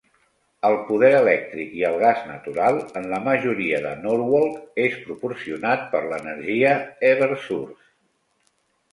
El poder elèctric i el gas natural en la majoria de Norwalk és proporcionat per l'energia Eversource.